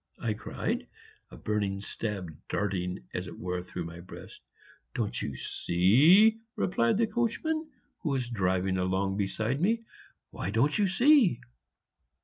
I cried, a burning stab darting as it were through my breast. "Don't you see?" replied the coachman, who was driving along beside me, "why don't you see?